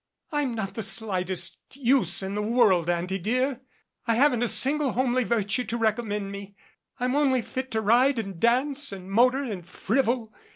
"I'm not the slightest use in the world, Auntie, dear. I haven't a single homely virtue to recommend me. I'm only fit to ride and dance and motor and frivol.